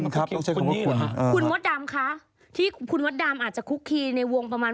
เขาสนใจเป็นสาเล็ง๓๐๐บาท